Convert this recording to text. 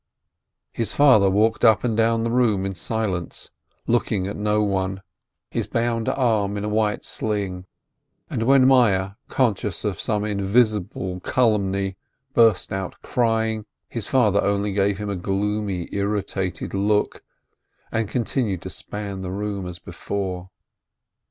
His father walked up and down the room in silence, looking at no IF IT WAS A DREAM 483 one, his bound arm in a white sling, and when Meyerl, conscious of some invisible calamity, burst out crying, his father only gave him a gloomy, irritated look, and continued to span the room as before.